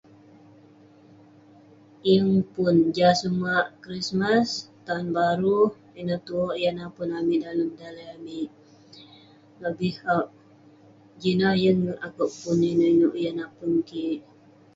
Yeng pun..jah sumag krismas, tahun baru, ineh tuwerk yah napun amik dalem daleh amik.. lobih jin ineh, yeng akouk pun inouk inouk yah napun kik..